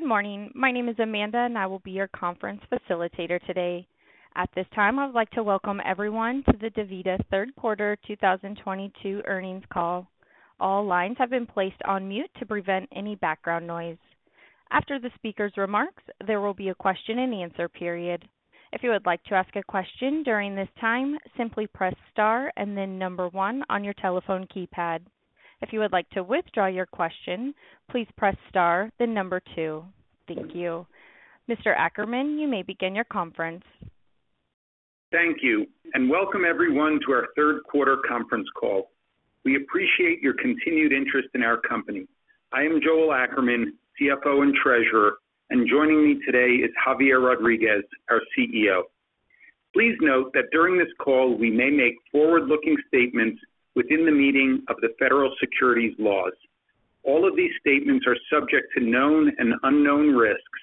Good morning. My name is Amanda, and I will be your conference facilitator today. At this time, I would like to welcome everyone to the DaVita Q3 2022 Earnings Call. All lines have been placed on mute to prevent any background noise. After the speaker's remarks, there will be a question-and-answer period. If you would like to ask a question during this time, simply press star and then number one on your telephone keypad. If you would like to withdraw your question, please press star then number two. Thank you. Mr. Ackerman, you may begin your conference. Thank you, and welcome everyone to our third quarter conference call. We appreciate your continued interest in our company. I am Joel Ackerman, CFO and Treasurer, and joining me today is Javier Rodriguez, our CEO. Please note that during this call, we may make forward-looking statements within the meaning of the federal securities laws. All of these statements are subject to known and unknown risks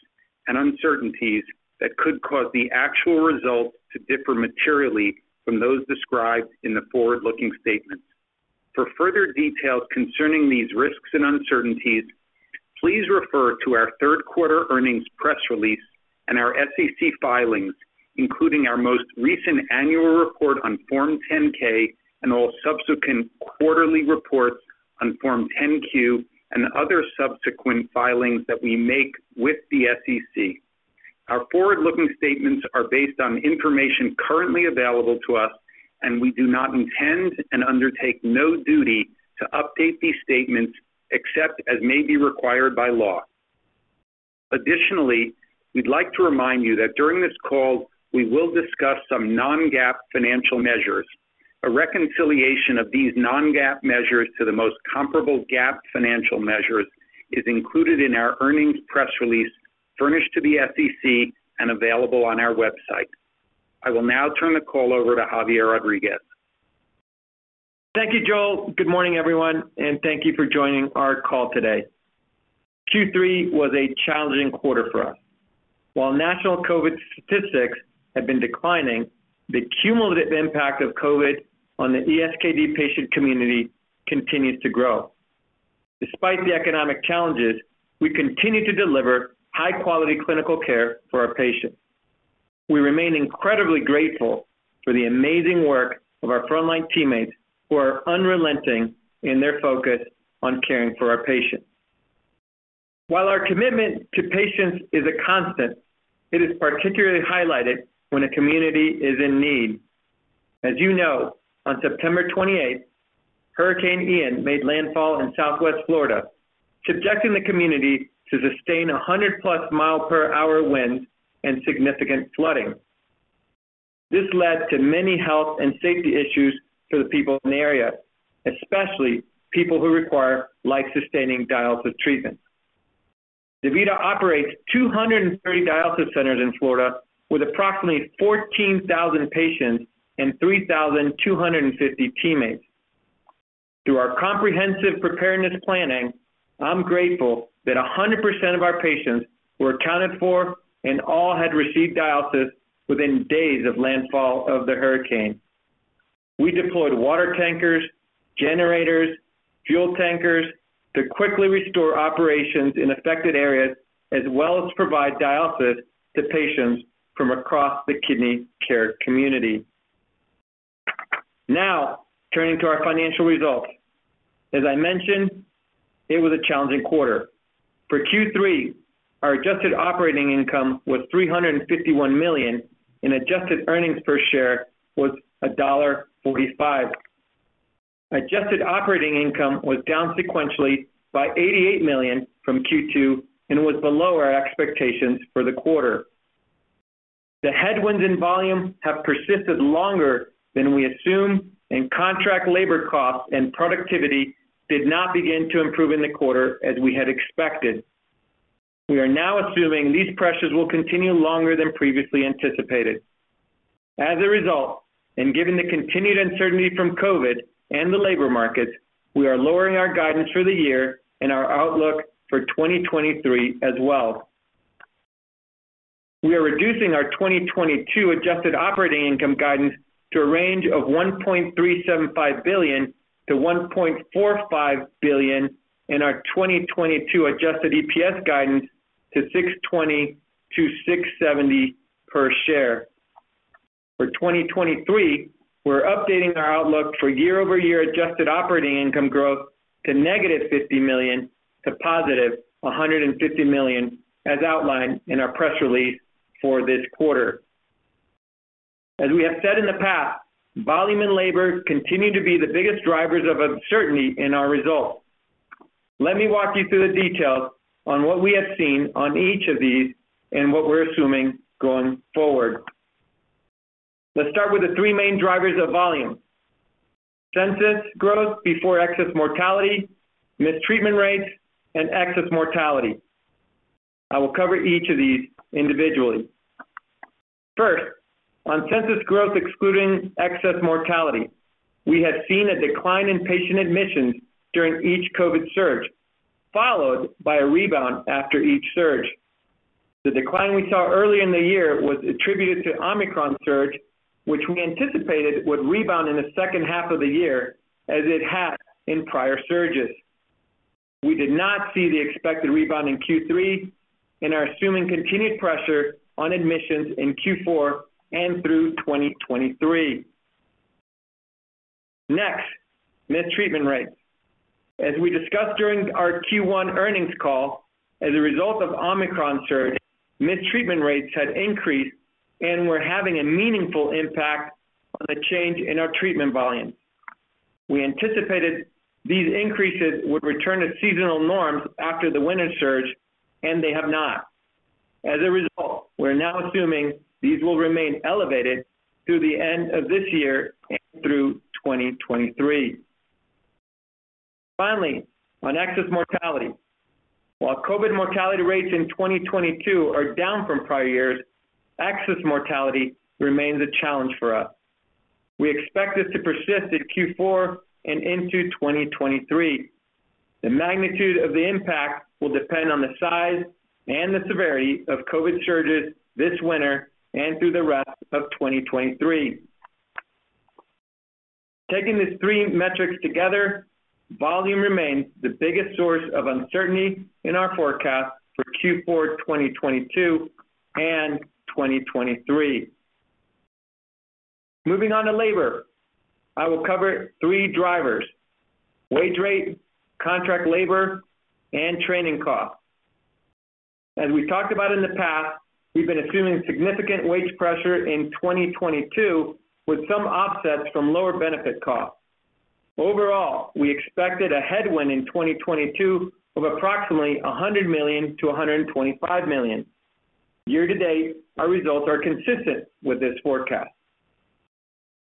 and uncertainties that could cause the actual results to differ materially from those described in the forward-looking statements. For further details concerning these risks and uncertainties, please refer to our third quarter earnings press release and our SEC filings, including our most recent annual report on Form 10-K and all subsequent quarterly reports on Form 10-Q and other subsequent filings that we make with the SEC. Our forward-looking statements are based on information currently available to us, and we do not intend and undertake no duty to update these statements except as may be required by law. Additionally, we'd like to remind you that during this call, we will discuss some non-GAAP financial measures. A reconciliation of these non-GAAP measures to the most comparable GAAP financial measures is included in our earnings press release furnished to the SEC and available on our website. I will now turn the call over to Javier Rodriguez. Thank you, Joel. Good morning, everyone, and thank you for joining our call today. Q3 was a challenging quarter for us. While national COVID statistics have been declining, the cumulative impact of COVID on the ESKD patient community continues to grow. Despite the economic challenges, we continue to deliver high-quality clinical care for our patients. We remain incredibly grateful for the amazing work of our frontline teammates who are unrelenting in their focus on caring for our patients. While our commitment to patients is a constant, it is particularly highlighted when a community is in need. As you know, on September 28th, Hurricane Ian made landfall in Southwest Florida, subjecting the community to sustained 100+-mile-per-hour winds and significant flooding. This led to many health and safety issues for the people in the area, especially people who require life-sustaining dialysis treatments. DaVita operates 230 dialysis centers in Florida with approximately 14,000 patients and 3,250 teammates. Through our comprehensive preparedness planning, I'm grateful that 100% of our patients were accounted for and all had received dialysis within days of landfall of the hurricane. We deployed water tankers, generators, fuel tankers to quickly restore operations in affected areas, as well as provide dialysis to patients from across the kidney care community. Now, turning to our financial results. As I mentioned, it was a challenging quarter. For Q3, our adjusted operating income was $351 million, and adjusted earnings per share was $1.45. Adjusted operating income was down sequentially by $88 million from Q2 and was below our expectations for the quarter. The headwinds in volume have persisted longer than we assumed, and contract labor costs and productivity did not begin to improve in the quarter as we had expected. We are now assuming these pressures will continue longer than previously anticipated. As a result, and given the continued uncertainty from COVID and the labor markets, we are lowering our guidance for the year and our outlook for 2023 as well. We are reducing our 2022 adjusted operating income guidance to a range of $1.375 billion-$1.45 billion and our 2022 adjusted EPS guidance to $6.20-$6.70 per share. For 2023, we're updating our outlook for year-over-year adjusted operating income growth to -$50 million to +$150 million, as outlined in our press release for this quarter. As we have said in the past, volume and labor continue to be the biggest drivers of uncertainty in our results. Let me walk you through the details on what we have seen on each of these and what we're assuming going forward. Let's start with the three main drivers of volume: census growth before excess mortality, missed treatment rates, and excess mortality. I will cover each of these individually. First, on census growth excluding excess mortality, we had seen a decline in patient admissions during each COVID surge, followed by a rebound after each surge. The decline we saw early in the year was attributed to Omicron surge, which we anticipated would rebound in the second half of the year as it had in prior surges. We did not see the expected rebound in Q3 and are assuming continued pressure on admissions in Q4 and through 2023. Next, missed treatment rates. As we discussed during our Q1 earnings call, as a result of Omicron surge, missed treatment rates had increased and were having a meaningful impact on the change in our treatment volume. We anticipated these increases would return to seasonal norms after the winter surge, and they have not. As a result, we're now assuming these will remain elevated through the end of this year and through 2023. Finally, on excess mortality. While COVID mortality rates in 2022 are down from prior years, excess mortality remains a challenge for us. We expect this to persist in Q4 and into 2023. The magnitude of the impact will depend on the size and the severity of COVID surges this winter and through the rest of 2023. Taking these three metrics together, volume remains the biggest source of uncertainty in our forecast for Q4 2022 and 2023. Moving on to labor. I will cover three drivers, wage rate, contract labor, and training costs. As we've talked about in the past, we've been assuming significant wage pressure in 2022, with some offsets from lower benefit costs. Overall, we expected a headwind in 2022 of approximately $100 million-$125 million. Year to date, our results are consistent with this forecast.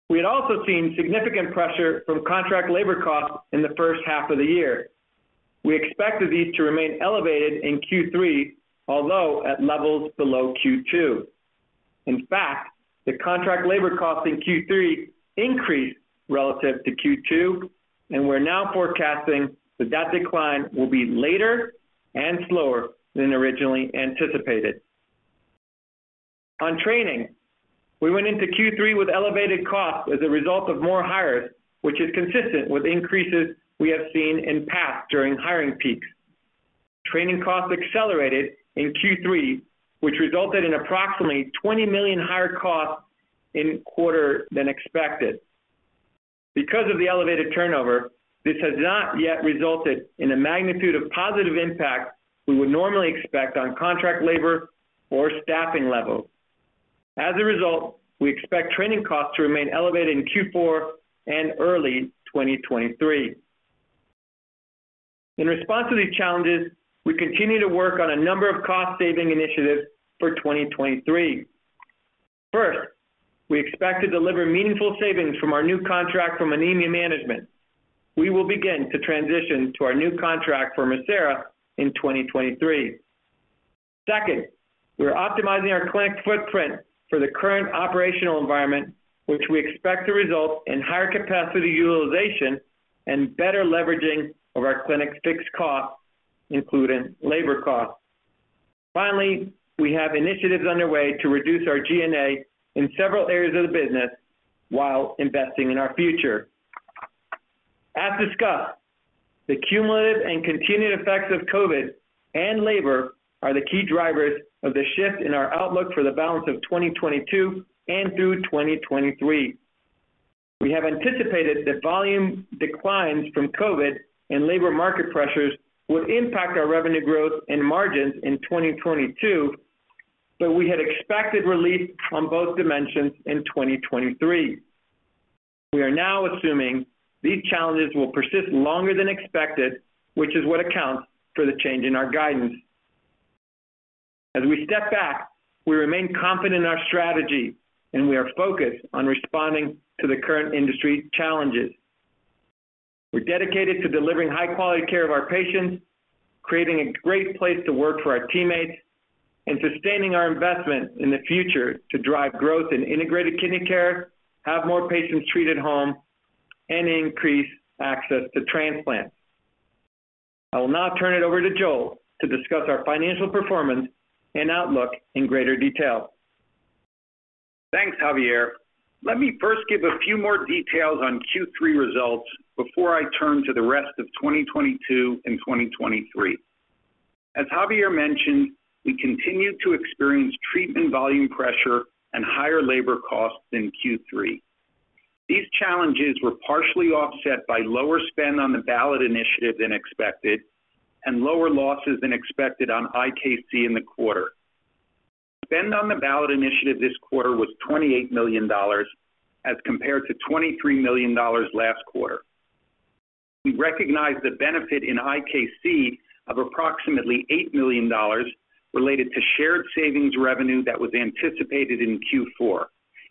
We had also seen significant pressure from contract labor costs in the first half of the year. We expected these to remain elevated in Q3, although at levels below Q2. In fact, the contract labor costs in Q3 increased relative to Q2, and we're now forecasting that that decline will be later and slower than originally anticipated. On training, we went into Q3 with elevated costs as a result of more hires, which is consistent with increases we have seen in past during hiring peaks. Training costs accelerated in Q3, which resulted in approximately $20 million higher costs in quarter than expected. Because of the elevated turnover, this has not yet resulted in a magnitude of positive impact we would normally expect on contract labor or staffing levels. As a result, we expect training costs to remain elevated in Q4 and early 2023. In response to these challenges, we continue to work on a number of cost-saving initiatives for 2023. First, we expect to deliver meaningful savings from our new contract for anemia management. We will begin to transition to our new contract for Mircera in 2023. Second, we are optimizing our clinic footprint for the current operational environment, which we expect to result in higher capacity utilization and better leveraging of our clinic's fixed costs, including labor costs. Finally, we have initiatives underway to reduce our G&A in several areas of the business while investing in our future. As discussed, the cumulative and continued effects of COVID and labor are the key drivers of the shift in our outlook for the balance of 2022 and through 2023. We have anticipated that volume declines from COVID and labor market pressures would impact our revenue growth and margins in 2022, but we had expected relief on both dimensions in 2023. We are now assuming these challenges will persist longer than expected, which is what accounts for the change in our guidance. As we step back, we remain confident in our strategy, and we are focused on responding to the current industry challenges. We're dedicated to delivering high-quality care of our patients, creating a great place to work for our teammates, and sustaining our investment in the future to drive growth in integrated kidney care, have more patients treated at home, and increase access to transplants. I will now turn it over to Joel to discuss our financial performance and outlook in greater detail. Thanks, Javier. Let me first give a few more details on Q3 results before I turn to the rest of 2022 and 2023. As Javier mentioned, we continued to experience treatment volume pressure and higher labor costs in Q3. These challenges were partially offset by lower spend on the ballot initiative than expected and lower losses than expected on IKC in the quarter. Spend on the ballot initiative this quarter was $28 million as compared to $23 million last quarter. We recognized the benefit in IKC of approximately $8 million related to shared savings revenue that was anticipated in Q4,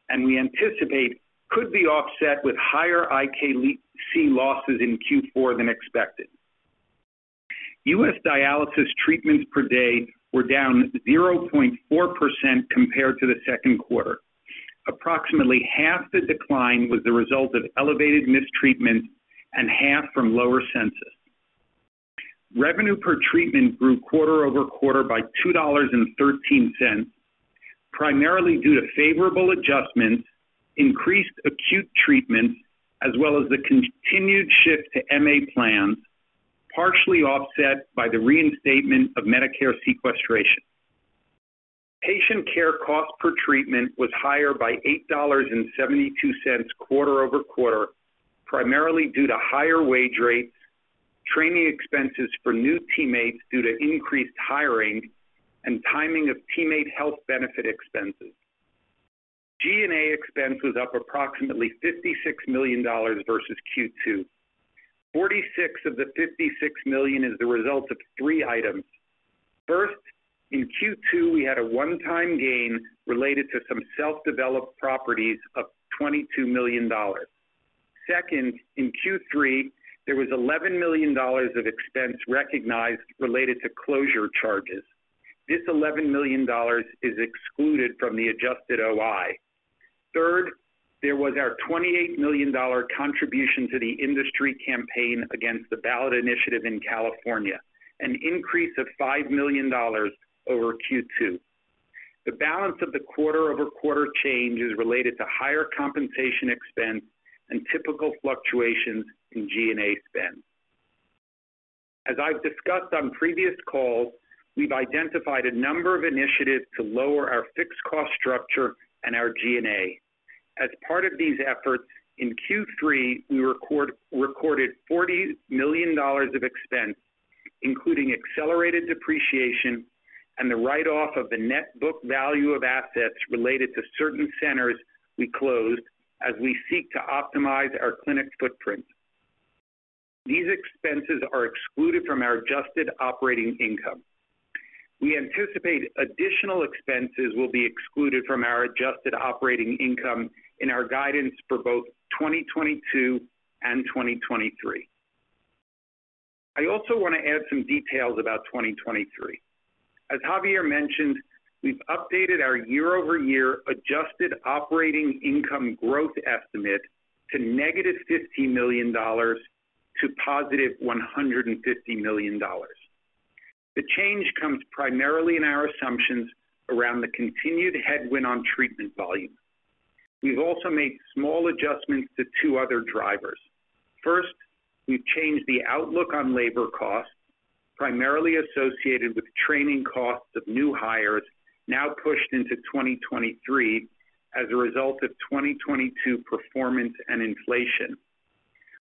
and we anticipate could be offset with higher IKC losses in Q4 than expected. U.S. dialysis treatments per day were down 0.4% compared to the second quarter. Approximately half the decline was the result of elevated missed treatments and half from lower census. Revenue per treatment grew quarter-over-quarter by $2.13, primarily due to favorable adjustments, increased acute treatments, as well as the continued shift to MA plans, partially offset by the reinstatement of Medicare sequestration. Patient care cost per treatment was higher by $8.72 quarter-over-quarter, primarily due to higher wage rates, training expenses for new teammates due to increased hiring, and timing of teammate health benefit expenses. G&A expense was up approximately $56 million versus Q2. 46 of the $56 million is the result of three items. First, in Q2, we had a one-time gain related to some self-developed properties of $22 million. Second, in Q3, there was $11 million of expense recognized related to closure charges. This $11 million is excluded from the adjusted OI. Third, there was our $28 million contribution to the industry campaign against the ballot initiative in California, an increase of $5 million over Q2. The balance of the quarter-over-quarter change is related to higher compensation expense and typical fluctuations in G&A spend. As I've discussed on previous calls, we've identified a number of initiatives to lower our fixed cost structure and our G&A. As part of these efforts, in Q3, we recorded $40 million of expense, including accelerated depreciation and the write-off of the net book value of assets related to certain centers we closed as we seek to optimize our clinic footprint. These expenses are excluded from our adjusted operating income. We anticipate additional expenses will be excluded from our adjusted operating income in our guidance for both 2022 and 2023. I also wanna add some details about 2023. As Javier mentioned, we've updated our year-over-year adjusted operating income growth estimate to -$50 million to $150 million. The change comes primarily in our assumptions around the continued headwind on treatment volume. We've also made small adjustments to two other drivers. First, we've changed the outlook on labor costs, primarily associated with training costs of new hires now pushed into 2023 as a result of 2022 performance and inflation.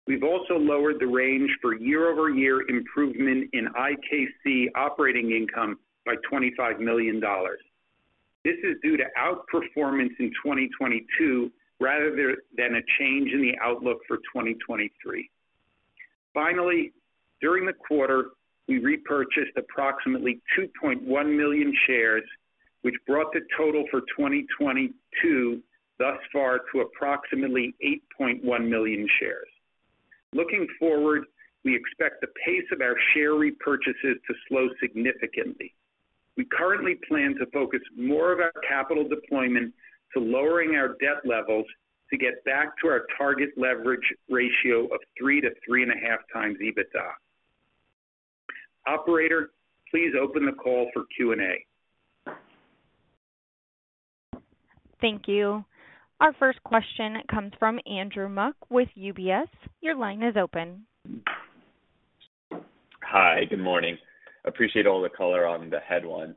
We've also lowered the range for year-over-year improvement in IKC operating income by $25 million. This is due to outperformance in 2022 rather than a change in the outlook for 2023. Finally, during the quarter, we repurchased approximately 2.1 million shares, which brought the total for 2022 thus far to approximately 8.1 million shares. Looking forward, we expect the pace of our share repurchases to slow significantly. We currently plan to focus more of our capital deployment to lowering our debt levels to get back to our target leverage ratio of 3-3.5 times EBITDA. Operator, please open the call for Q&A. Thank you. Our first question comes from Andrew Mok with UBS. Your line is open. Hi. Good morning. Appreciate all the color on the headwinds.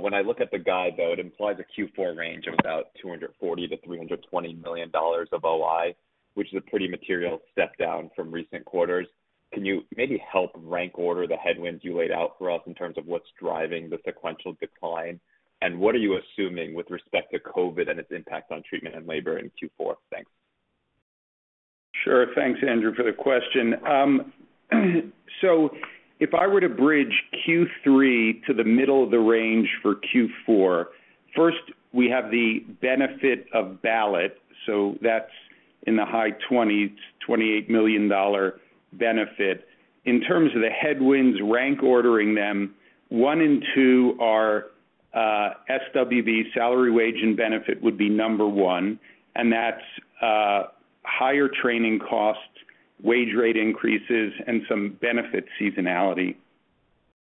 When I look at the guide, though, it implies a Q4 range of about $240 million-$320 million of OI, which is a pretty material step down from recent quarters. Can you maybe help rank order the headwinds you laid out for us in terms of what's driving the sequential decline, and what are you assuming with respect to COVID and its impact on treatment and labor in Q4? Thanks. Thanks, Andrew, for the question. If I were to bridge Q3 to the middle of the range for Q4, first, we have the benefit of ballot, so that's a $20-$28 million benefit. In terms of the headwinds, rank ordering them, one and two are SWB, salary, wage, and benefit would be number one, and that's higher training costs, wage rate increases, and some benefit seasonality.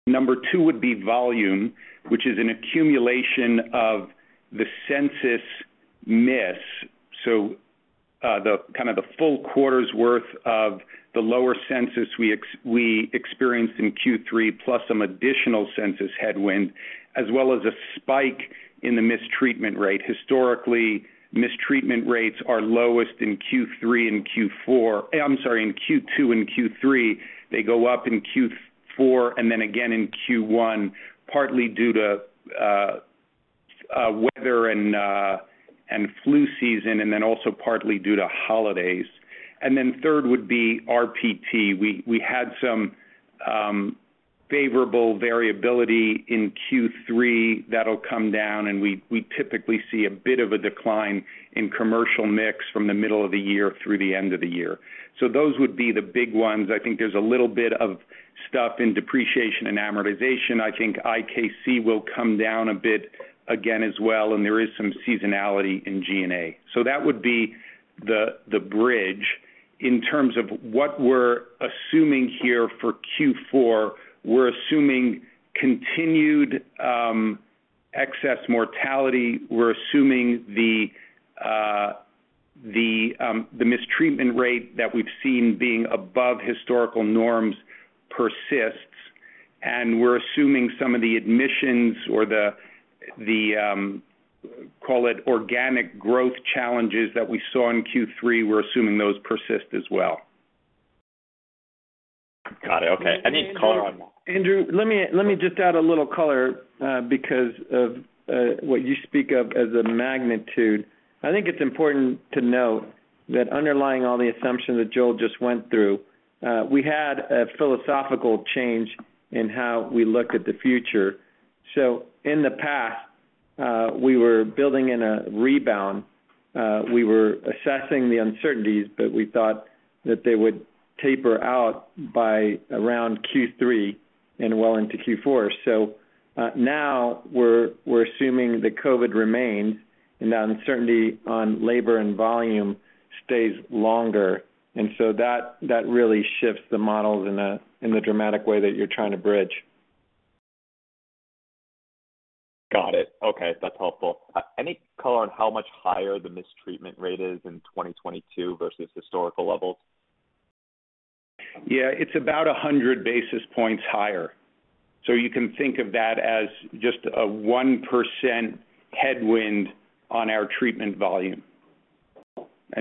Number two would be volume, which is an accumulation of the census miss, the full quarter's worth of the lower census we experienced in Q3, plus some additional census headwind, as well as a spike in the missed treatment rate. Historically, missed treatment rates are lowest in Q2 and Q3. They go up in Q4 and then again in Q1, partly due to weather and flu season, and then also partly due to holidays. Third would be RPT. We had some favorable variability in Q3 that'll come down, and we typically see a bit of a decline in commercial mix from the middle of the year through the end of the year. Those would be the big ones. I think there's a little bit of stuff in depreciation and amortization. I think IKC will come down a bit again as well, and there is some seasonality in G&A. That would be the bridge. In terms of what we're assuming here for Q4, we're assuming continued excess mortality. We're assuming the missed treatment rate that we've seen being above historical norms persists. We're assuming some of the admissions or the call it organic growth challenges that we saw in Q3, we're assuming those persist as well. Got it. Okay. Any color on- Andrew, let me just add a little color because of what you speak of as a magnitude. I think it's important to note that underlying all the assumptions that Joel just went through, we had a philosophical change in how we look at the future. In the past, we were building in a rebound. We were assessing the uncertainties, but we thought that they would taper out by around Q3 and well into Q4. Now we're assuming that COVID remains and that uncertainty on labor and volume stays longer. That really shifts the models in a dramatic way that you're trying to bridge. Got it. Okay. That's helpful. Any color on how much higher the missed treatment rate is in 2022 versus historical levels? Yeah. It's about 100 basis points higher. You can think of that as just a 1% headwind on our treatment volume.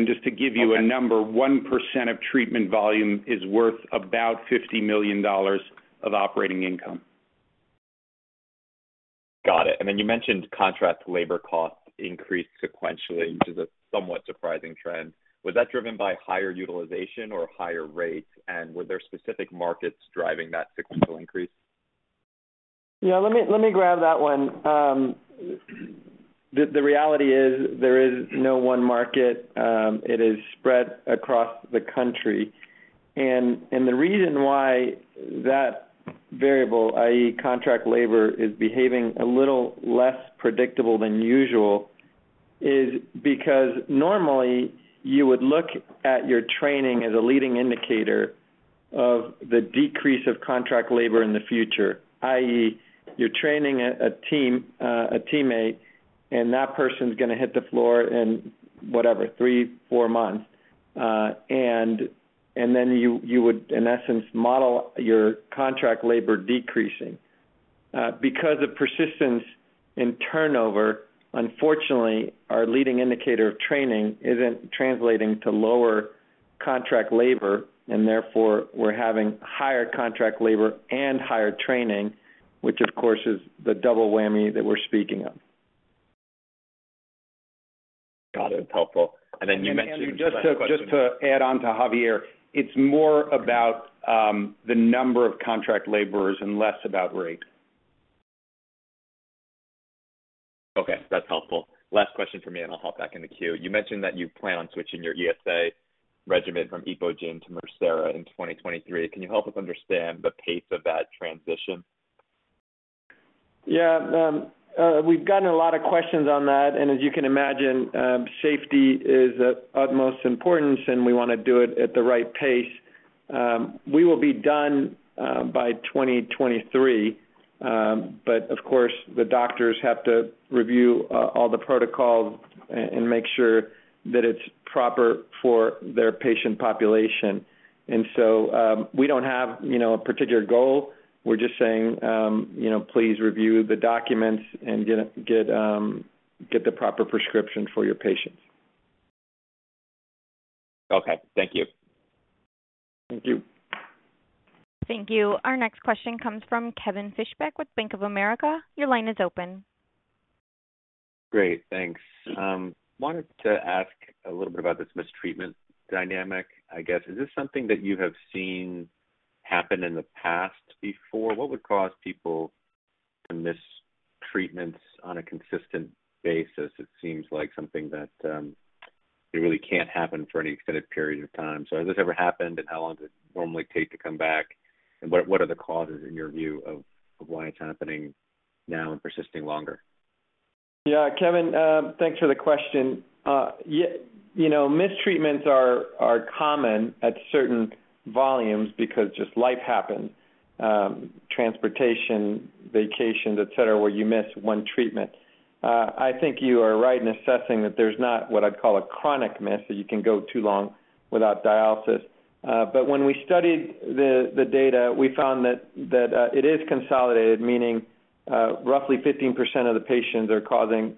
Just to give you a number, 1% of treatment volume is worth about $50 million of operating income. Got it. You mentioned contract labor costs increased sequentially, which is a somewhat surprising trend. Was that driven by higher utilization or higher rates? Were there specific markets driving that sequential increase? Yeah. Let me grab that one. The reality is there is no one market. It is spread across the country. The reason why that variable, i.e., contract labor, is behaving a little less predictable than usual is because normally you would look at your training as a leading indicator of the decrease of contract labor in the future, i.e., you're training a teammate, and that person's gonna hit the floor in whatever, 3, 4 months. Then you would, in essence, model your contract labor decreasing. Because of persistence in turnover, unfortunately, our leading indicator of training isn't translating to lower contract labor, and therefore we're having higher contract labor and higher training, which of course is the double whammy that we're speaking of. Got it. Helpful. You mentioned- Andrew, just to add on to Javier, it's more about the number of contract laborers and less about rate. Okay, that's helpful. Last question from me, and I'll hop back in the queue. You mentioned that you plan on switching your ESA regimen from Epogen to Mircera in 2023. Can you help us understand the pace of that transition? Yeah. We've gotten a lot of questions on that, and as you can imagine, safety is of utmost importance, and we wanna do it at the right pace. We will be done by 2023. But of course, the doctors have to review all the protocols and make sure that it's proper for their patient population. We don't have, you know, a particular goal. We're just saying, you know, "Please review the documents and get the proper prescription for your patients. Okay. Thank you. Thank you. Thank you. Our next question comes from Kevin Fischbeck with Bank of America. Your line is open. Great. Thanks. Wanted to ask a little bit about this missed treatment dynamic, I guess. Is this something that you have seen happen in the past before? What would cause people to miss treatments on a consistent basis? It seems like something that it really can't happen for any extended period of time. Has this ever happened, and how long does it normally take to come back? What are the causes in your view of why it's happening now and persisting longer? Yeah. Kevin, thanks for the question. You know, missed treatments are common at certain volumes because just life happens, transportation, vacations, et cetera, where you miss one treatment. I think you are right in assessing that there's not what I'd call a chronic miss, that you can go too long without dialysis. But when we studied the data, we found that it is consolidated, meaning roughly 15% of the patients are causing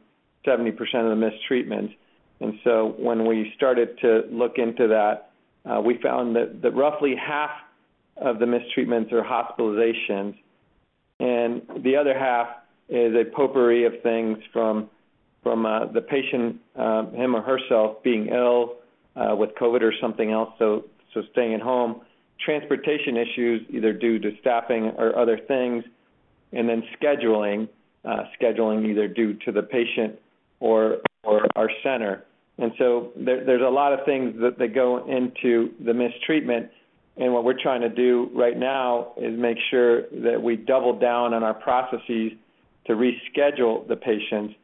70% of the missed treatments. When we started to look into that, we found that roughly half of the missed treatments are hospitalizations, and the other half is a potpourri of things from the patient him or herself being ill with COVID or something else, so staying at home. Transportation issues either due to staffing or other things. Then scheduling either due to the patient or our center. There, there's a lot of things that go into the missed treatments. What we're trying to do right now is make sure that we double down on our processes to reschedule the patients,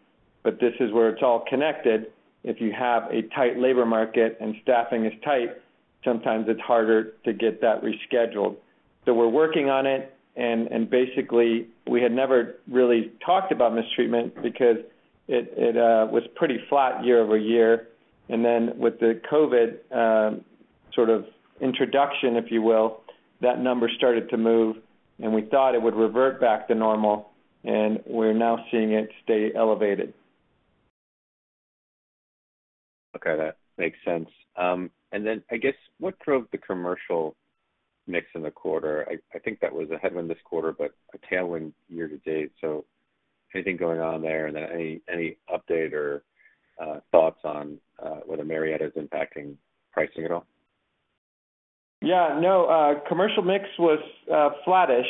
but this is where it's all connected. If you have a tight labor market and staffing is tight, sometimes it's harder to get that rescheduled. We're working on it, and basically, we had never really talked about missed treatments because it was pretty flat year-over-year. Then with the COVID sort of introduction, if you will, that number started to move, and we thought it would revert back to normal, and we're now seeing it stay elevated. Okay. That makes sense. I guess what drove the commercial mix in the quarter? I think that was a headwind this quarter, but a tailwind year-to-date. Anything going on there? Any update or thoughts on whether Mircera is impacting pricing at all? Yeah, no. Commercial mix was flattish,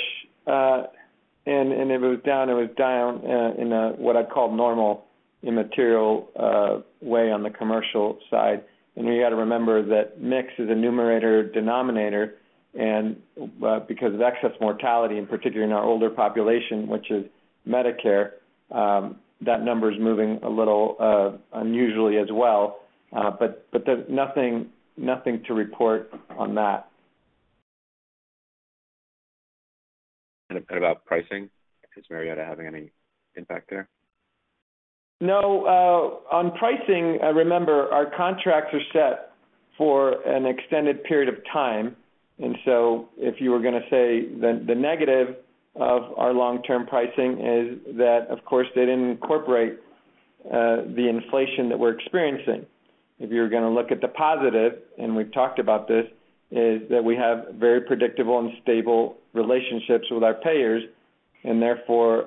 and it was down in what I'd call normal immaterial way on the commercial side. You got to remember that mix is a numerator or denominator, and because of excess mortality, in particular in our older population, which is Medicare, that number is moving a little unusually as well. There's nothing to report on that. About pricing, is Mircera having any impact there? No. On pricing, remember, our contracts are set for an extended period of time, and so if you were gonna say the negative of our long-term pricing is that, of course, they didn't incorporate the inflation that we're experiencing. If you're gonna look at the positive, and we've talked about this, is that we have very predictable and stable relationships with our payers and therefore,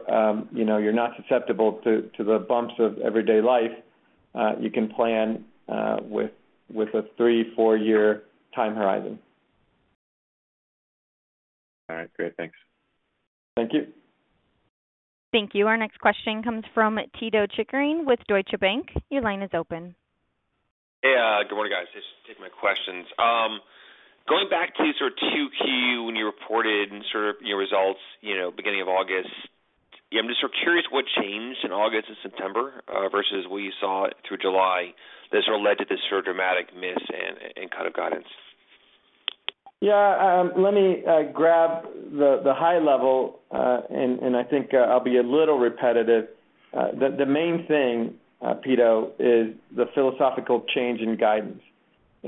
you know, you're not susceptible to the bumps of everyday life. You can plan with a 3-4-year time horizon. All right. Great. Thanks. Thank you. Thank you. Our next question comes from Pito Chickering with Deutsche Bank. Your line is open. Hey, good morning, guys. Just take my questions. Going back to sort of 2Q when you reported and sort of your results, you know, beginning of August, I'm just sort of curious what changed in August and September versus what you saw through July. This led to this sort of dramatic miss and kind of guidance. Yeah. Let me grab the high level, and I think I'll be a little repetitive. The main thing, Pito, is the philosophical change in guidance.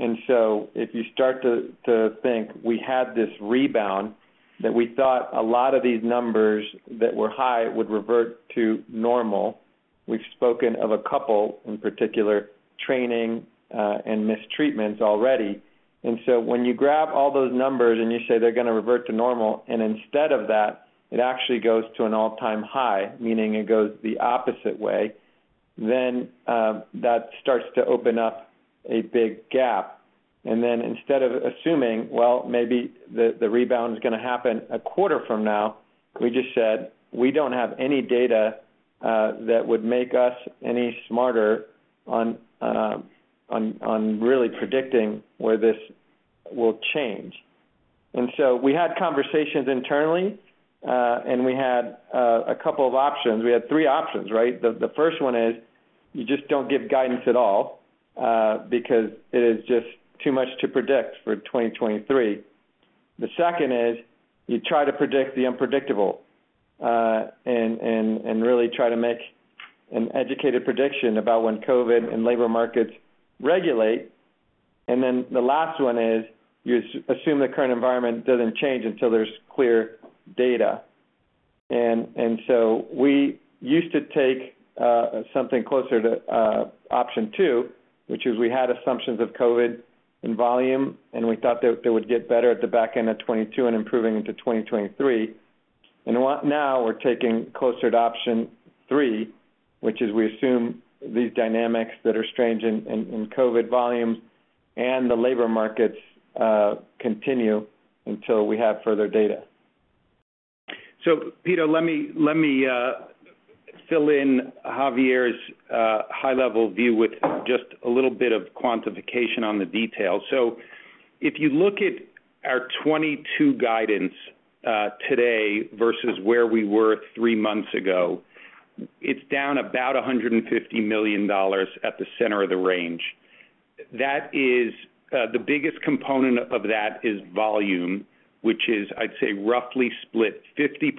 If you start to think we had this rebound that we thought a lot of these numbers that were high would revert to normal. We've spoken of a couple, in particular, training and missed treatments already. When you grab all those numbers and you say they're gonna revert to normal, and instead of that, it actually goes to an all-time high, meaning it goes the opposite way, then that starts to open up a big gap. Instead of assuming, well, maybe the rebound is gonna happen a quarter from now, we just said, we don't have any data that would make us any smarter on really predicting where this will change. We had conversations internally, and we had a couple of options. We had three options, right? The first one is you just don't give guidance at all, because it is just too much to predict for 2023. The second is you try to predict the unpredictable and really try to make an educated prediction about when COVID and labor markets regulate. The last one is you assume the current environment doesn't change until there's clear data. We used to take something closer to option two, which is we had assumptions of COVID in volume, and we thought that it would get better at the back end of 2022 and improving into 2023. Now we're taking closer to option three, which is we assume these dynamics that are strange in COVID volumes and the labor markets continue until we have further data. Pito Chickering, let me fill in Javier Rodriguez's high-level view with just a little bit of quantification on the detail. If you look at our 2022 guidance today versus where we were three months ago, it's down about $150 million at the center of the range. That is, the biggest component of that is volume, which is, I'd say, roughly split 50%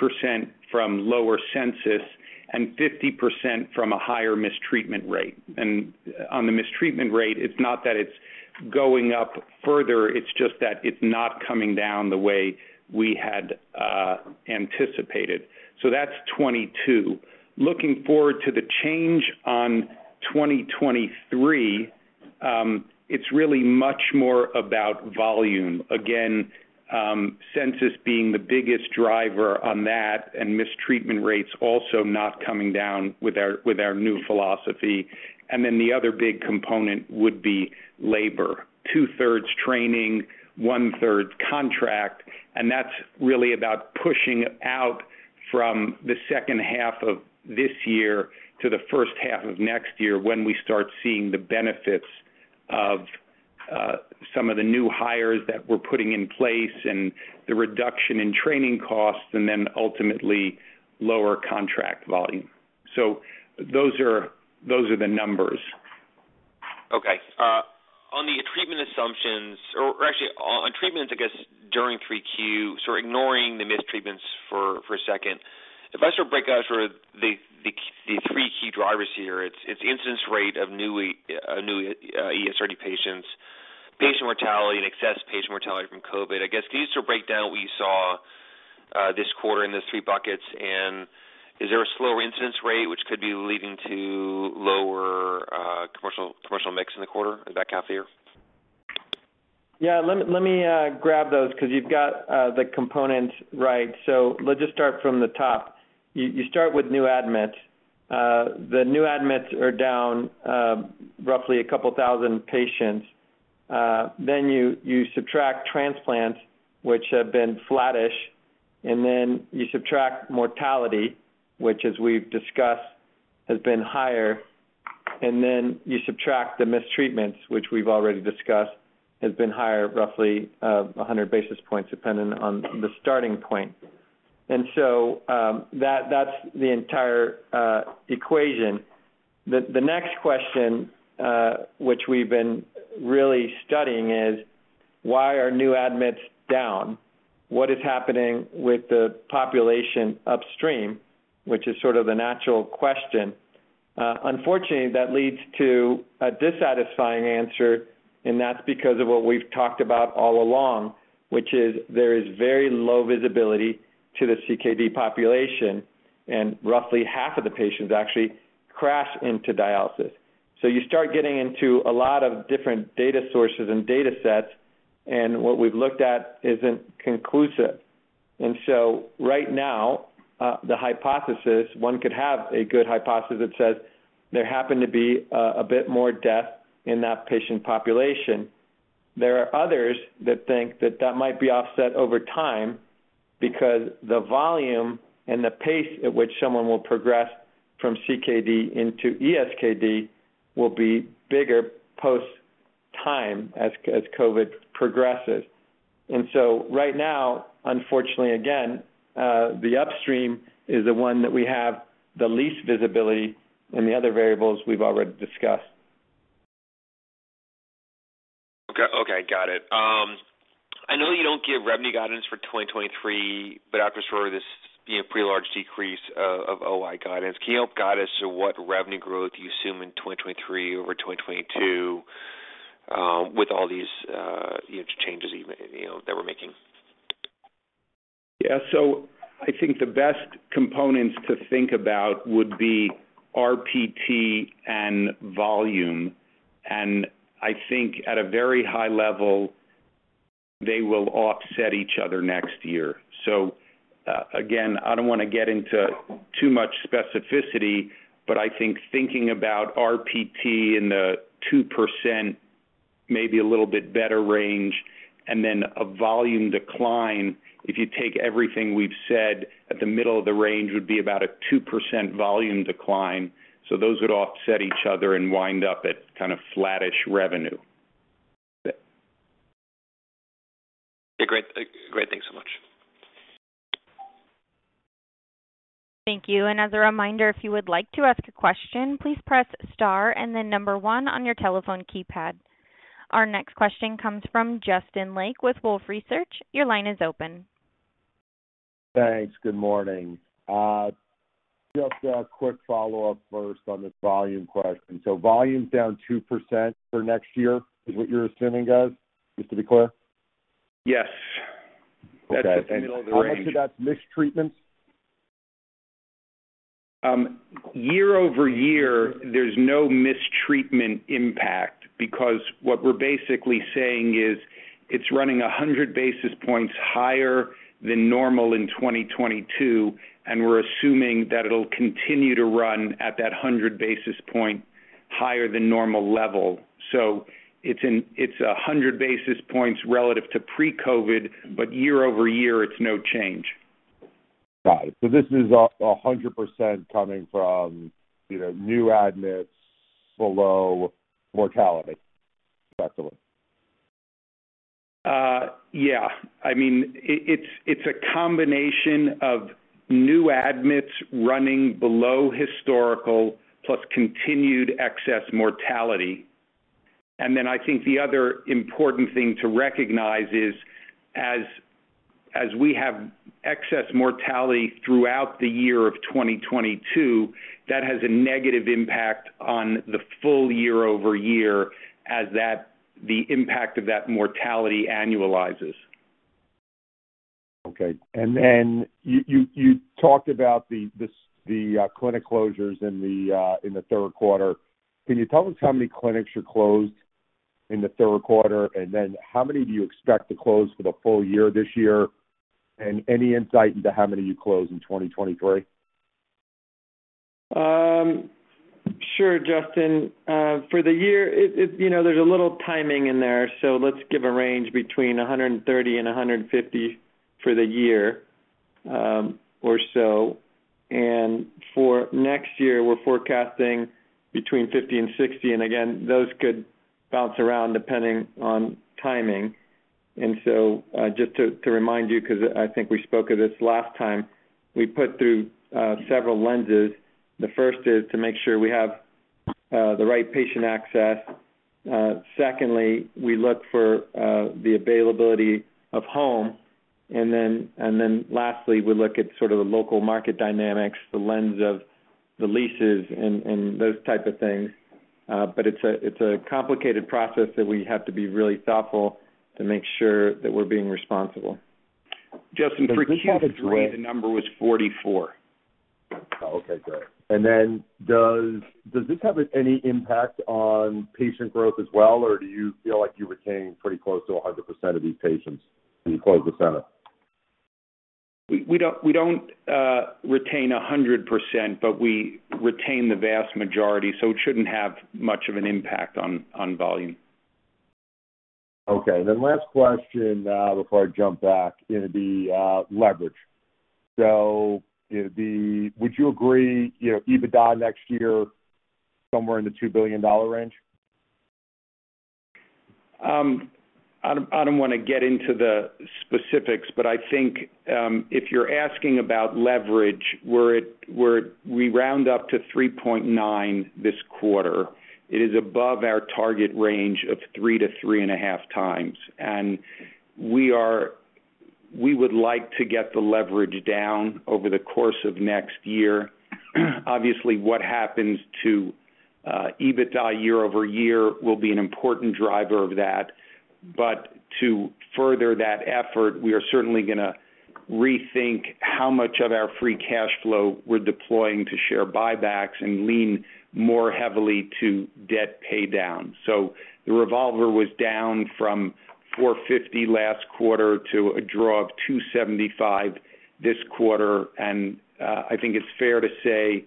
from lower census and 50% from a higher missed treatment rate. On the missed treatment rate, it's not that it's going up further, it's just that it's not coming down the way we had anticipated. That's 2022. Looking forward to the change on 2023, it's really much more about volume. Again, census being the biggest driver on that, and missed treatment rates also not coming down with our new philosophy. The other big component would be labor. Two-thirds training, one-third contract, and that's really about pushing out from the second half of this year to the first half of next year when we start seeing the benefits of some of the new hires that we're putting in place and the reduction in training costs, and then ultimately lower contract volume. Those are the numbers. Okay. On the treatment assumptions or actually on treatments, I guess, during 3Q, so ignoring the mistrends for a second, if I sort of break out the three key drivers here, it's incidence rate of new ESRD patients, patient mortality and excess patient mortality from COVID. I guess can you just sort of break down what you saw this quarter in those three buckets? And is there a slower incidence rate which could be leading to lower commercial mix in the quarter? Is that accurate? Yeah. Let me grab those because you've got the components right. Let's just start from the top. You start with new admits. The new admits are down roughly a couple thousand patients. Then you subtract transplants, which have been flattish, and then you subtract mortality, which as we've discussed, has been higher. Then you subtract the missed treatments, which we've already discussed, has been higher roughly 100 basis points depending on the starting point. That that's the entire equation. The next question which we've been really studying is why are new admits down? What is happening with the population upstream? Which is sort of the natural question. Unfortunately, that leads to a dissatisfying answer, and that's because of what we've talked about all along, which is there is very low visibility to the CKD population, and roughly half of the patients actually crash into dialysis. You start getting into a lot of different data sources and data sets, and what we've looked at isn't conclusive. Right now, the hypothesis one could have a good hypothesis that says there happened to be a bit more death in that patient population. There are others that think that that might be offset over time because the volume and the pace at which someone will progress from CKD into ESKD will be bigger post-Omicron as COVID progresses. Right now, unfortunately again, the upstream is the one that we have the least visibility, and the other variables we've already discussed. Okay. Got it. I know you don't give revenue guidance for 2023, but after sort of this, you know, pretty large decrease of OI guidance, can you help guide us to what revenue growth you assume in 2023 over 2022, with all these, you know, changes even, you know, that we're making? Yeah. I think the best components to think about would be RPT and volume. I think at a very high level, they will offset each other next year. Again, I don't wanna get into too much specificity, but I think thinking about RPT in the 2%, maybe a little bit better range, and then a volume decline, if you take everything we've said at the middle of the range, would be about a 2% volume decline. Those would offset each other and wind up at kind of flattish revenue. Great. Thanks so much. Thank you. As a reminder, if you would like to ask a question, please press star and then number one on your telephone keypad. Our next question comes from Justin Lake with Wolfe Research. Your line is open. Thanks. Good morning. Just a quick follow-up first on the volume question. Volume's down 2% for next year is what you're assuming, guys, just to be clear? Yes. Okay. That's the middle of the range. How much of that's missed treatments? Year-over-year, there's no mistreatment impact because what we're basically saying is it's running 100 basis points higher than normal in 2022, and we're assuming that it'll continue to run at that 100 basis point higher than normal level. It's 100 basis points relative to pre-COVID, but year-over-year it's no change. Got it. This is 100% coming from, you know, new admits below mortality, basically. Yeah. I mean, it's a combination of new admits running below historical plus continued excess mortality. I think the other important thing to recognize is, as we have excess mortality throughout the year of 2022, that has a negative impact on the full year-over-year as the impact of that mortality annualizes. Okay. You talked about the clinic closures in the third quarter. Can you tell us how many clinics you closed in the third quarter? How many do you expect to close for the full year this year? Any insight into how many you close in 2023? Sure, Justin. For the year, you know, there's a little timing in there, so let's give a range between 130 and 150 for the year, or so. For next year, we're forecasting between 50 and 60. Again, those could bounce around depending on timing. Just to remind you, because I think we spoke of this last time, we put through several lenses. The first is to make sure we have the right patient access. Secondly, we look for the availability of home. Lastly, we look at sort of the local market dynamics, the lens of the leases and those type of things. It's a complicated process that we have to be really thoughtful to make sure that we're being responsible. Justin, for Q3, the number was 44. Oh, okay, great. Does this have any impact on patient growth as well, or do you feel like you retain pretty close to 100% of these patients when you close the center? We don't retain 100%, but we retain the vast majority, so it shouldn't have much of an impact on volume. Okay. Last question before I jump back into the leverage. It'd be, would you agree, you know, EBITDA next year somewhere in the $2 billion range? I don't wanna get into the specifics, but I think, if you're asking about leverage, we're at we round up to 3.9 this quarter. It is above our target range of 3-3.5 times. We would like to get the leverage down over the course of next year. Obviously, what happens to EBITDA year-over-year will be an important driver of that. To further that effort, we are certainly gonna rethink how much of our free cash flow we're deploying to share buybacks and lean more heavily to debt pay down. The revolver was down from $450 last quarter to a draw of $275 this quarter. I think it's fair to say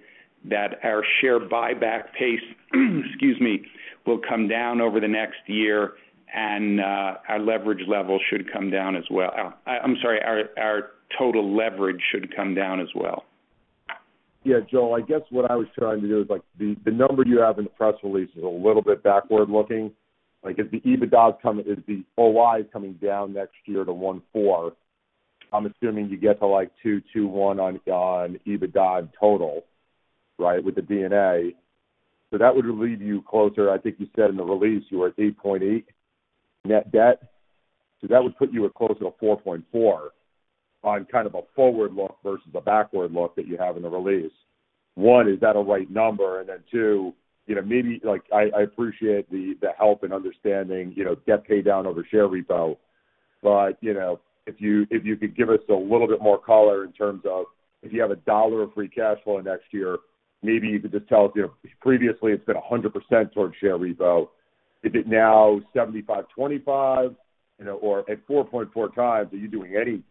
that our share buyback pace, excuse me, will come down over the next year, and our leverage level should come down as well. I'm sorry, our total leverage should come down as well. Yeah. Joel, I guess what I was trying to do is like the number you have in the press release is a little bit backward-looking. Like, if the OI is coming down next year to $140, I'm assuming you get to like $221 on EBITDA in total. Right, with the D&A. That would leave you closer. I think you said in the release you were at $8.8 net debt. That would put you at closer to $4.4 on kind of a forward look versus a backward look that you have in the release. One, is that a right number? Then two you know, maybe like I appreciate the help and understanding you know debt pay down over share repo. You know, if you could give us a little bit more color in terms of if you have $1 of free cash flow next year, maybe you could just tell us, you know previously it's been 100% towards share repo. Is it now 75-25? You know, or at 4.4 times, are you doing any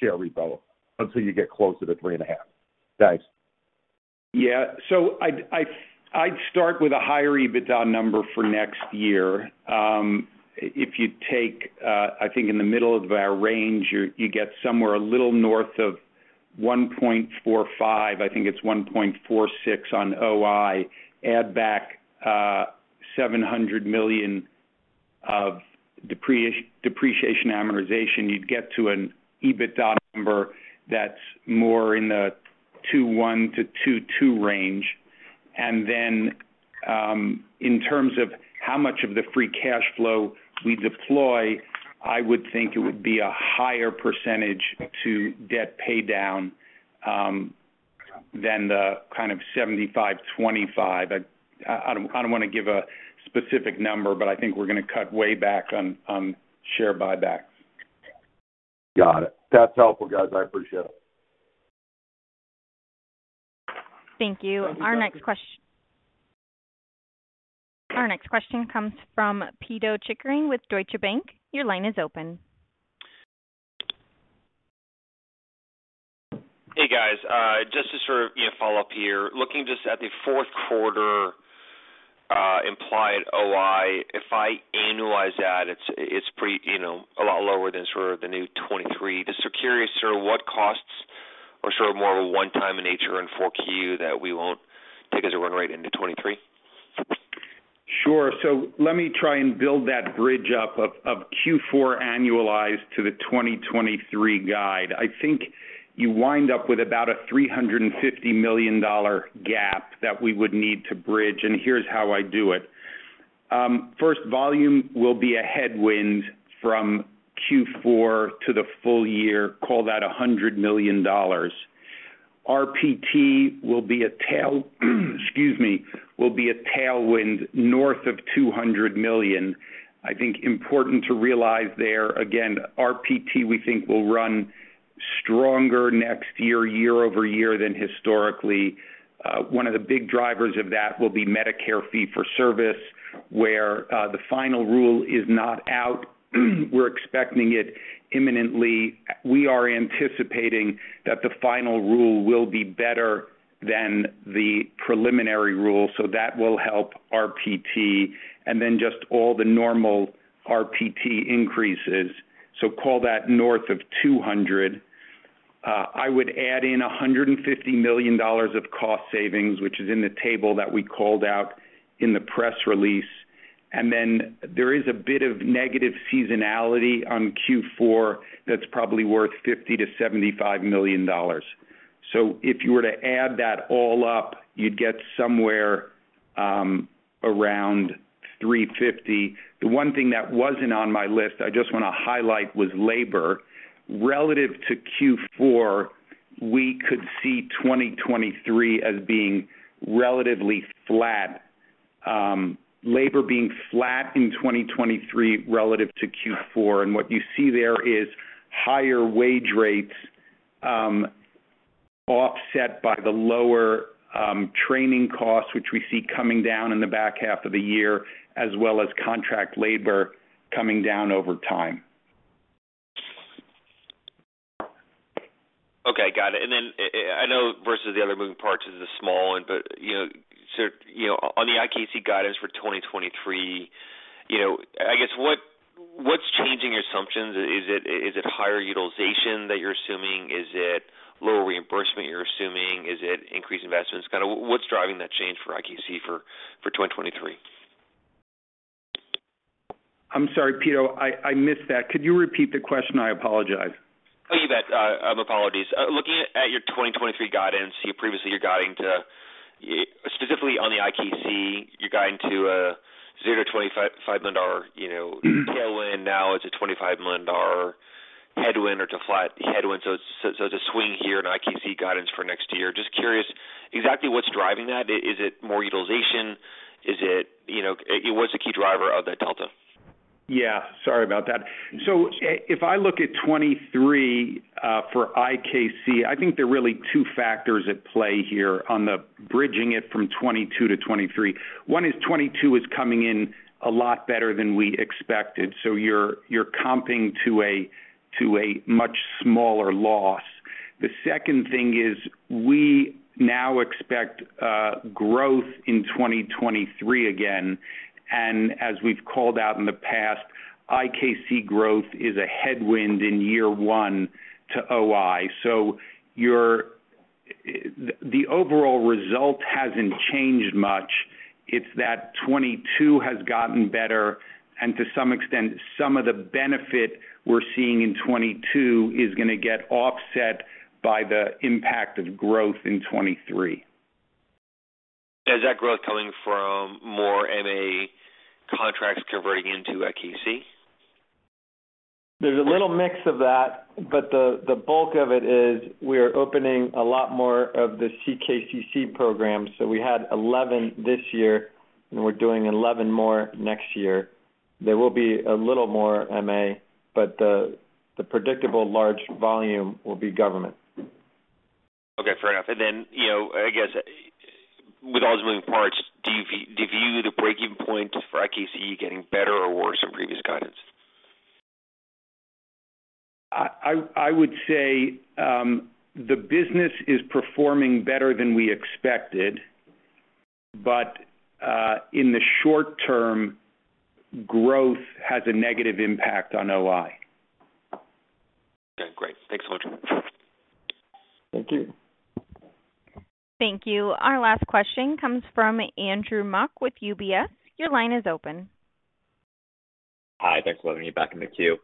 share repo until you get closer to 3.5? Thanks. Yeah. I'd start with a higher EBITDA number for next year. If you take, I think in the middle of our range, you get somewhere a little north of 1.45. I think it's 1.46 on OI. Add back $700 million of depreciation & amortization, you'd get to an EBITDA number that's more in the 2.1-2.2 range. In terms of how much of the free cash flow we deploy, I would think it would be a higher percentage to debt pay down than the kind of 75-25. I don't wanna give a specific number, but I think we're gonna cut way back on share buyback. Got it. That's helpful, guys. I appreciate it. Thank you. Thank you. Our next question comes from Pito Chickering with Deutsche Bank. Your line is open. Hey, guys. Just to sort of, you know, follow up here, looking just at the fourth quarter, implied OI, if I annualize that, it's pretty, you know, a lot lower than sort of the new 2023. Just so curious, sort of what costs are sort of more one-time in nature in 4Q that we won't take as a run rate into 2023? Sure. Let me try and build that bridge up of Q4 annualized to the 2023 guide. I think you wind up with about a $350 million gap that we would need to bridge, and here's how I do it. First, volume will be a headwind from Q4 to the full year. Call that a $100 million. RPT will be a tailwind north of $200 million. I think important to realize there, again, RPT, we think will run stronger next year-over-year than historically. One of the big drivers of that will be Medicare fee-for-service, where the final rule is not out. We're expecting it imminently. We are anticipating that the final rule will be better than the preliminary rule, so that will help RPT, and then just all the normal RPT increases. Call that north of $200 million. I would add in $150 million of cost savings, which is in the table that we called out in the press release. Then there is a bit of negative seasonality on Q4 that's probably worth $50-$75 million. If you were to add that all up, you'd get somewhere around $350 million. The one thing that wasn't on my list I just want to highlight was labor. Relative to Q4, we could see 2023 as being relatively flat. Labor being flat in 2023 relative to Q4. What you see there is higher wage rates, offset by the lower training costs, which we see coming down in the back half of the year, as well as contract labor coming down over time. Okay. Got it. I know versus the other moving parts, this is a small one, but, you know, so, you know, on the IKC guidance for 2023, you know, I guess, what's changing your assumptions? Is it higher utilization that you're assuming? Is it lower reimbursement you're assuming? Is it increased investments? Kinda what's driving that change for IKC for 2023? I'm sorry, Pito, I missed that. Could you repeat the question? I apologize. Oh, you bet. Apologies. Looking at your 2023 guidance, you previously were guiding to, specifically on the IKC a $0-$25 million you know, tailwind. Now it's a $25 million headwind or to flat headwind. So, it's a swing here in IKC guidance for next year. Just curious exactly what's driving that. Is it more utilization? Is it, you know, what's the key driver of that delta? Yeah, sorry about that. If I look at 2023, for IKC, I think there are really two factors at play here on the bridging it from 2022 to 2023. One is 2022 is coming in a lot better than we expected, so you're comping to a much smaller loss. The second thing is we now expect growth in 2023 again, and as we've called out in the past, IKC growth is a headwind in year one to OI. The overall result hasn't changed much. It's that 2022 has gotten better, and to some extent, some of the benefit we're seeing in 2022 is gonna get offset by the impact of growth in 2023. Is that growth coming from more MA contracts converting into IKC? There's a little mix of that, but the bulk of it is we are opening a lot more of the CKCC program. We had 11 this year, and we're doing 11 more next year. There will be a little more MA, but the predictable large volume will be government. Okay, fair enough. You know, I guess with all those moving parts, do you view the breaking point for IKC getting better or worse than previous guidance? I would say the business is performing better than we expected, but in the short term, growth has a negative impact on OI. Okay, great. Thanks a bunch. Thank you. Thank you. Our last question comes from Andrew Mok with UBS. Your line is open. Hi. Thanks for letting me back in the queue.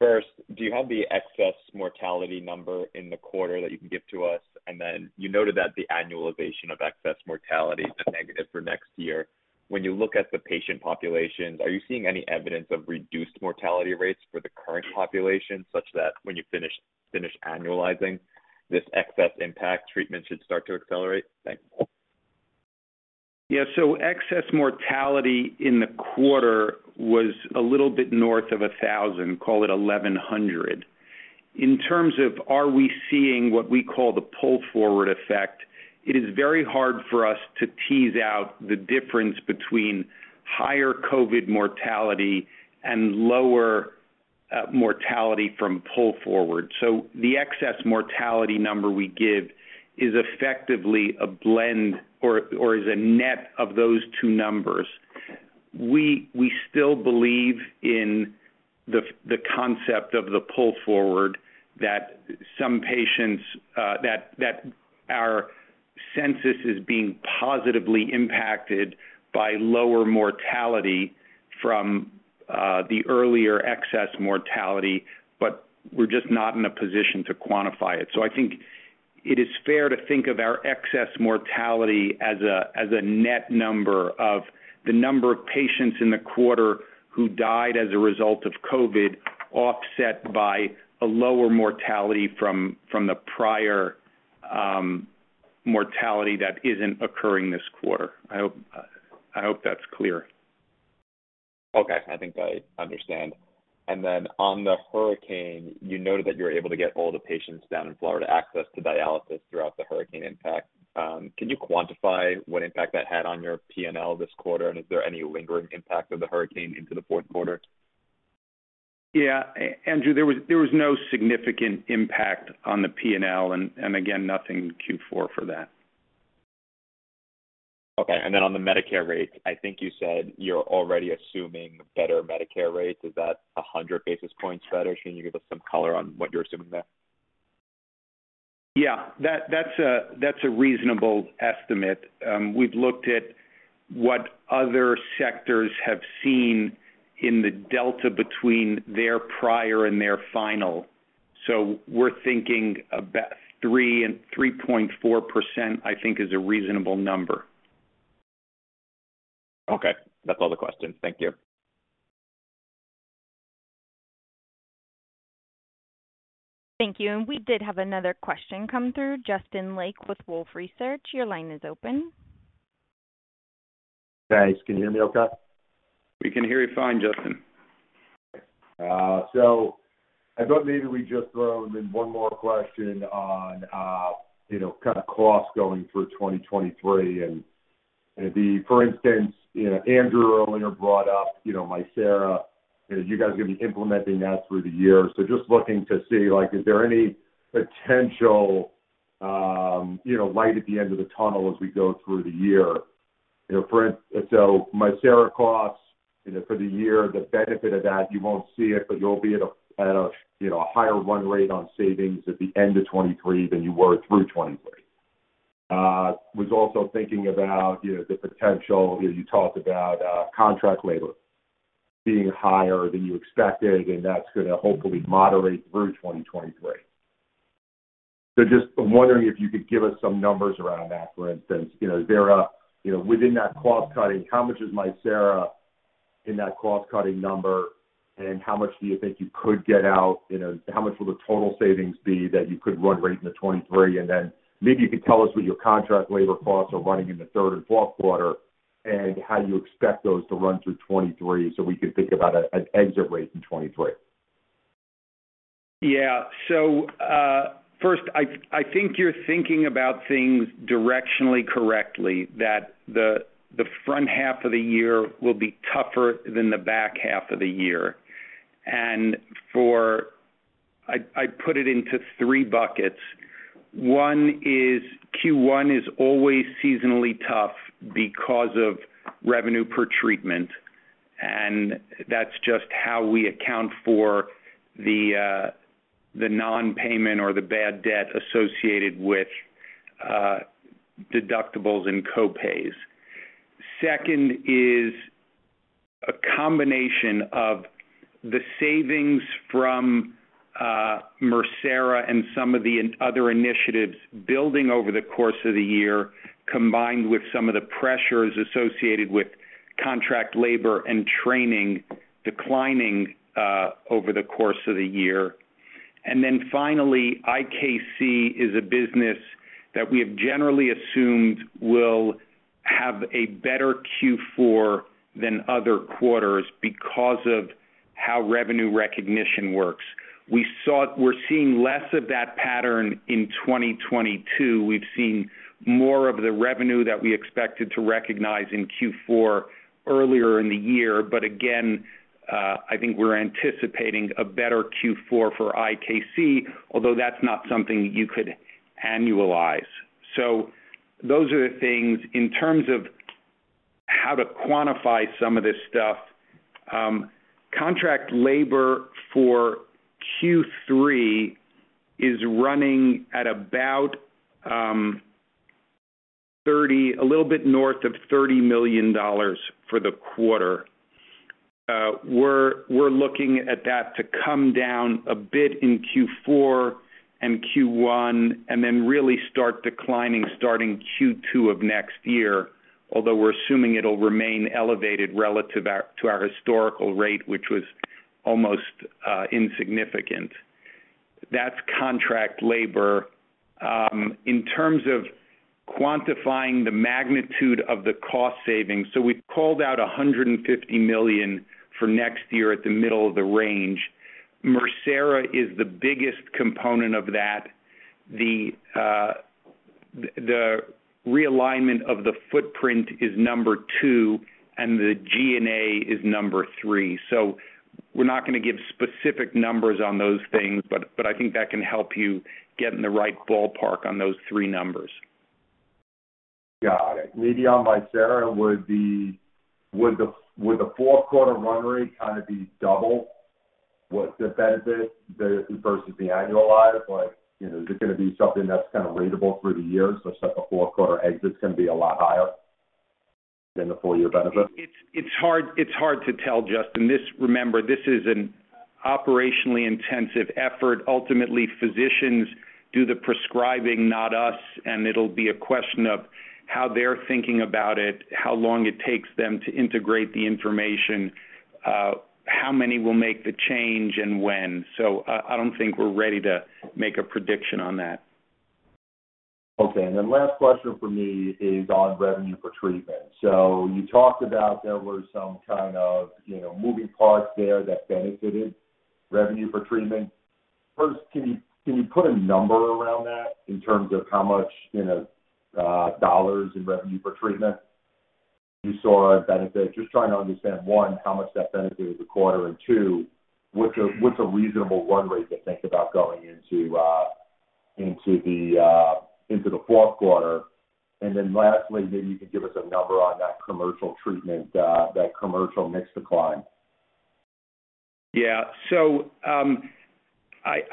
First, do you have the excess mortality number in the quarter that you can give to us? Then you noted that the annualization of excess mortality is a negative for next year. When you look at the patient populations, are you seeing any evidence of reduced mortality rates for the current population, such that when you finish annualizing this excess impact, treatment should start to accelerate? Thanks. Yeah. Excess mortality in the quarter was a little bit north of 1,000, call it 1,100. In terms of are we seeing what we call the pull-forward effect, it is very hard for us to tease out the difference between higher COVID mortality and lower mortality from pull forward. The excess mortality number we give is effectively a blend or is a net of those two numbers. We still believe in the concept of the pull forward that our census is being positively impacted by lower mortality from the earlier excess mortality, but we're just not in a position to quantify it. I think it is fair to think of our excess mortality as a net number of the number of patients in the quarter who died as a result of COVID, offset by a lower mortality from the prior mortality that isn't occurring this quarter. I hope that's clear. Okay. I think I understand. On the hurricane, you noted that you were able to get all the patients down in Florida access to dialysis throughout the hurricane impact. Can you quantify what impact that had on your P&L this quarter? Is there any lingering impact of the hurricane into the fourth quarter? Andrew, there was no significant impact on the P&L and again, nothing in Q4 for that. Okay. On the Medicare rate, I think you said you're already assuming better Medicare rates. Is that 100 basis points better? Can you give us some color on what you're assuming there? Yeah. That's a reasonable estimate. We've looked at what other sectors have seen in the delta between their prior and their final. We're thinking about 3%-3.4%, I think is a reasonable number. Okay. That's all the questions. Thank you. Thank you. We did have another question come through. Justin Lake with Wolfe Research. Your line is open. Thanks. Can you hear me okay? We can hear you fine, Justin. I thought maybe we'd just throw in one more question on, you know, kind of costs going through 2023, and it'd be, for instance, you know, Andrew earlier brought up, you know, Mircera, you know, you guys are gonna be implementing that through the year. Just looking to see, like, is there any potential, you know, light at the end of the tunnel as we go through the year? You know, so Mircera costs, you know, for the year, the benefit of that, you won't see it, but you'll be at a, you know, a higher run rate on savings at the end of 2023 than you were through 2023. Was also thinking about, you know, the potential, you know, you talked about, contract labor being higher than you expected, and that's gonna hopefully moderate through 2023. Just wondering if you could give us some numbers around that. For instance, you know, is there, you know, within that cost-cutting, how much is Mircera in that cost-cutting number? And how much do you think you could get out? You know, how much will the total savings be that you could run rate into 2023? And then maybe you could tell us what your contract labor costs are running in the third and fourth quarter, and how you expect those to run through 2023 so we can think about an exit rate in 2023. Yeah. First, I think you're thinking about things directionally correctly, that the front half of the year will be tougher than the back half of the year. I'd put it into three buckets. One is Q1 is always seasonally tough because of revenue per treatment, and that's just how we account for the non-payment or the bad debt associated with deductibles and co-pays. Second is a combination of the savings from Mircera and some of the other initiatives building over the course of the year, combined with some of the pressures associated with contract labor and training declining over the course of the year. Finally, IKC is a business that we have generally assumed will have a better Q4 than other quarters because of how revenue recognition works. We're seeing less of that pattern in 2022. We've seen more of the revenue that we expected to recognize in Q4 earlier in the year. Again, I think we're anticipating a better Q4 for IKC, although that's not something you could annualize. Those are the things. In terms of how to quantify some of this stuff, contract labor for Q3 is running at about, 30, a little bit north of $30 million for the quarter. We're looking at that to come down a bit in Q4 and Q1, and then really start declining starting Q2 of next year, although we're assuming it'll remain elevated relative to our historical rate, which was almost, insignificant. That's contract labor. In terms of quantifying the magnitude of the cost savings, we've called out $150 million for next year at the middle of the range. Mircera is the biggest component of that. The realignment of the footprint is number 2, and the G&A is number 3. We're not gonna give specific numbers on those things, but I think that can help you get in the right ballpark on those 3 numbers. Got it. Maybe on Mircera, would the fourth quarter run rate kinda be double what the benefit versus the annualized? Like, you know, is it gonna be something that's kinda ratable through the year, so it's like a fourth quarter exit's gonna be a lot higher than the full year benefit? It's hard to tell, Justin. This, remember, this is an operationally intensive effort. Ultimately, physicians do the prescribing, not us, and it'll be a question of how they're thinking about it, how long it takes them to integrate the information, how many will make the change and when. I don't think we're ready to make a prediction on that. Okay. Last question from me is on revenue per treatment. You talked about there were some kind of, you know, moving parts there that benefited revenue per treatment. First, can you put a number around that in terms of how much, you know, dollars in revenue per treatment you saw a benefit? Just trying to understand, one, how much that benefited the quarter, and two, what's a reasonable run rate to think about going into the fourth quarter? Lastly, maybe you can give us a number on that commercial treatment, that commercial mix decline. Yeah.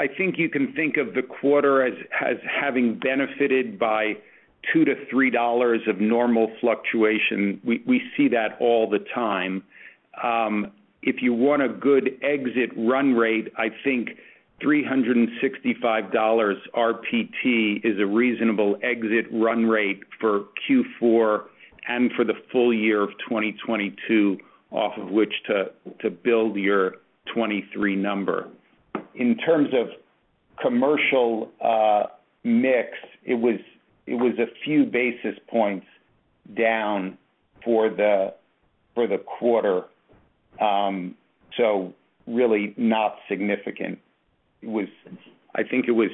I think you can think of the quarter as having benefited by $2-$3 of normal fluctuation. We see that all the time. If you want a good exit run rate, I think $365 RPT is a reasonable exit run rate for Q4 and for the full year of 2022 off of which to build your 2023 number. In terms of commercial mix, it was a few basis points down for the quarter. Really not significant. It was. I think it was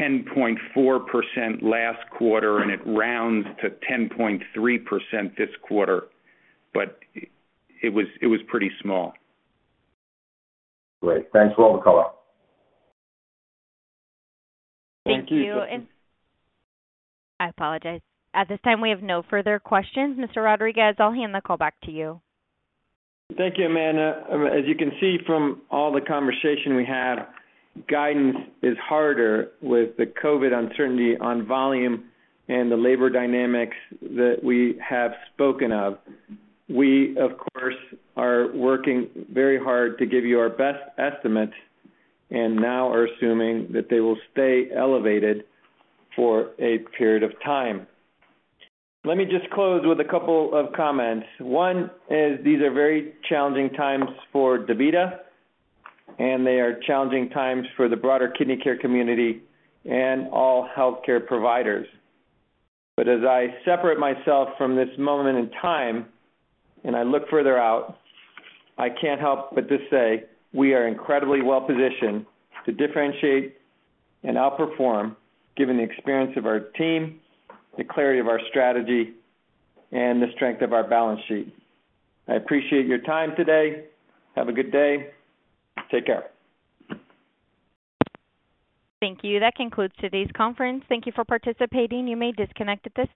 10.4% last quarter, and it rounds to 10.3% this quarter, but it was pretty small. Great. Thanks for all the color. Thank you. Thank you. I apologize. At this time we have no further questions. Mr. Rodriguez, I'll hand the call back to you. Thank you, Amanda. As you can see from all the conversation we had, guidance is harder with the COVID uncertainty on volume and the labor dynamics that we have spoken of. We, of course, are working very hard to give you our best estimate and now are assuming that they will stay elevated for a period of time. Let me just close with a couple of comments. One is these are very challenging times for DaVita, and they are challenging times for the broader kidney care community and all healthcare providers. As I separate myself from this moment in time and I look further out, I can't help but just say we are incredibly well-positioned to differentiate and outperform given the experience of our team, the clarity of our strategy, and the strength of our balance sheet. I appreciate your time today. Have a good day. Take care. Thank you. That concludes today's conference. Thank you for participating. You may disconnect at this time.